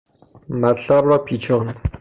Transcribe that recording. مطلب را پیچاند.